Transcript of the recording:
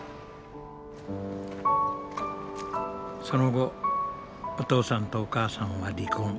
その後お父さんとお母さんは離婚。